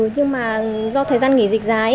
nhưng mà do thời gian nghỉ dịch dài